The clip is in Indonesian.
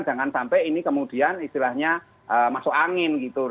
jangan sampai ini kemudian istilahnya masuk angin gitu